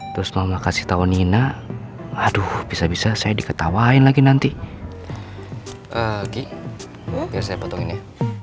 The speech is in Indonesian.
terus mama kasih tahu nina aduh bisa bisa saya diketawain lagi nanti saya potongnya